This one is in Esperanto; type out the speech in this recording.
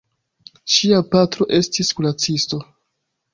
Ŝia patro estis kuracisto.